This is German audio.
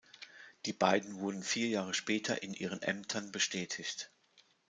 Die beiden wurden vier Jahre später in ihren Ämtern bestätigt.